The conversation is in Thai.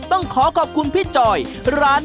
ต้องขอขอบคุณพี่จ๋อยร้านนัชฮาวิทิ